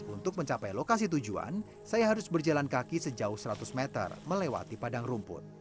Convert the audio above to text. untuk mencapai lokasi tujuan saya harus berjalan kaki sejauh seratus meter melewati padang rumput